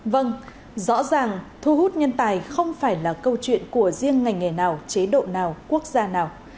vâng rõ ràng thu hút nhân tài không phải là câu chuyện của riêng ngành nghề nào chế độ nào quốc gia nào